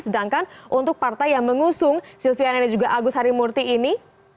sedangkan untuk partai yang mengusung silviana dan juga agus harimurti ini